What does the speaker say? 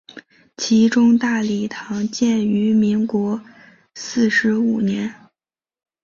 其中大礼堂建于民国四十五年。